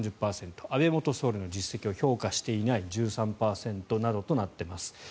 安倍元総理の実績を評価していない、１３％などとなっています。